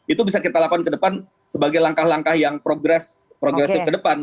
itu bisa kita lakukan ke depan sebagai langkah langkah yang progresif ke depan